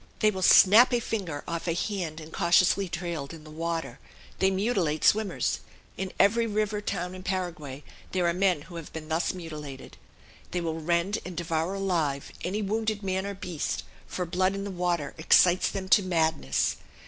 They will snap a finger off a hand incautiously trailed in the water; they mutilate swimmers in every river town in Paraguay there are men who have been thus mutilated; they will rend and devour alive any wounded man or beast; for blood in the water excites them to madness.